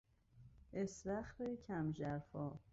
استخر کم ژرفا